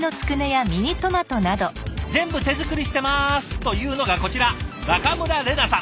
全部手作りしてますというのがこちら中村令奈さん。